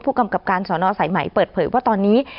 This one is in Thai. กำกับการสอนอสายไหมเปิดเผยว่าตอนนี้